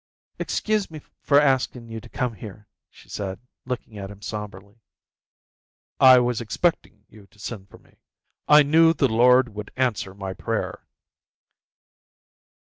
"Excuse me for asking you to come here," she said, looking at him sombrely. "I was expecting you to send for me. I knew the Lord would answer my prayer."